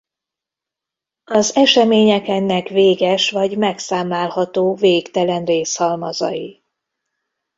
Az események ennek véges vagy megszámlálható végtelen részhalmazai.